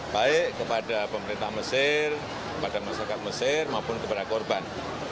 baik kepada pemerintah mesir kepada masyarakat mesir maupun kepada korban